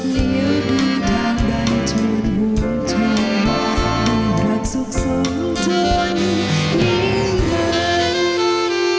เดี๋ยวดูทางใดทวดหวุมเธอเป็นรักสุขสมถนนี้กัน